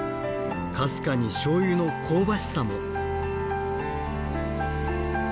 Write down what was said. かすかにしょうゆの香ばしさも。